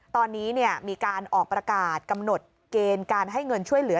ตอนนี้มีการออกประกาศกำหนดเกณฑ์การให้เงินช่วยเหลือ